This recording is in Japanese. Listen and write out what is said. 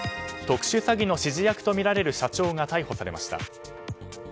特殊詐欺の指示役とみられる社長が逮捕されました。